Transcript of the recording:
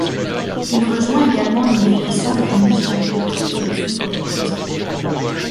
Il rejoint également les Négociants réunis chargés de trouver des fonds pour le Trésor.